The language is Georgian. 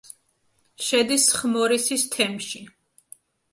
შედის ცხმორისის თემში.